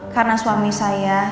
karena suami saya